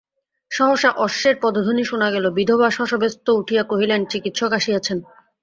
সহসা অশ্বের পদধ্বনি শুনা গেল, বিধবা শশব্যস্তে উঠিয়া কহিলেন চিকিৎসক আসিয়াছেন।